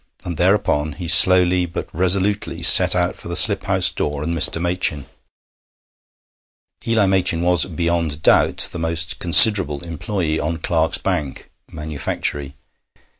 And thereupon he slowly but resolutely set out for the slip house door and Mr. Machin. Eli Machin was beyond doubt the most considerable employé on Clarke's 'bank' (manufactory).